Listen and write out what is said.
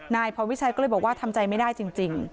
นายพรวิชัยก็เลยบอกว่าทำใจไม่ได้จริง